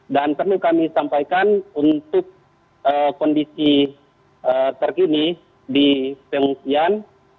dan perlu kami sampaikan untuk kondisi terkini di pengungsian